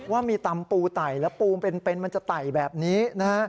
ว่ามีตำปูไต่แล้วปูเป็นมันจะไต่แบบนี้นะฮะ